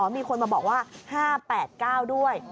มีคนมาบอกว่า๕๘๙ด้วย